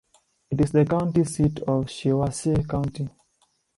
It is the county seat of Shiawassee County.